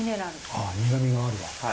あ苦みがあるわ。